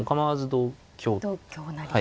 同香成と。